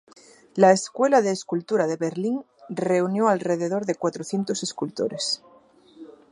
La escuela de escultura de Berlín reunió a alrededor de cuatrocientos escultores.